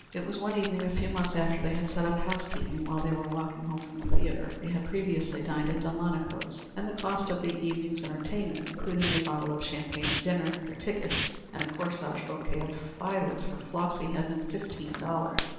It was one evening a few months after they had set up housekeeping while they were walking home from the theatre. They had previously dined at Delmonico's, and the cost of the evening's entertainment, including a bottle of champagne at dinner, their tickets and a corsage bouquet of violets for Flossy, had been fifteen dollars.